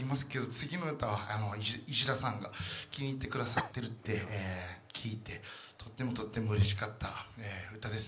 次の歌は石田さんが気に入ってくださっているって聞いてとってもとってもうれしかった歌です。